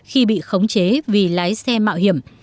khi bị khống chế vì lái xe mạo hiểm